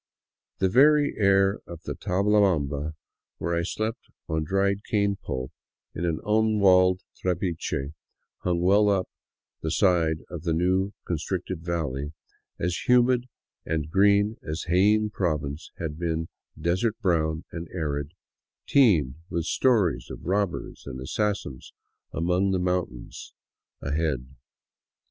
The very air of Tablabamba, where I slept on dried cane pulp in an unwalled trapiche hung well up the side of the new constricted valley, as humid and green as Jaen Province had been desert brown and arid, teemed with stories of robbers and assassins among the moun tain defiles ahead.